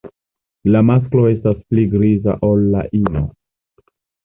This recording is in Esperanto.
La masklo estas pli griza ol la ino.